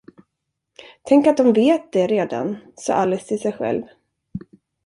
Tänk att dom vet det redan, sade Alice till sig själv.